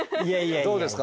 どうですか？